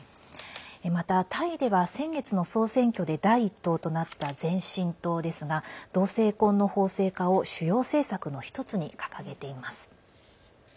また、タイでは先月の総選挙で第１党となった前進党ですが同性婚の法制化を主要政策の１つに掲げています。